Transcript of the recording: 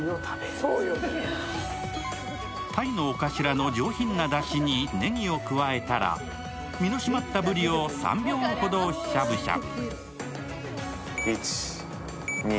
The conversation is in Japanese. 鯛のお頭の上品なだしにねぎを加えたら身の締まったブリを３秒ほどしゃぶしゃぶ。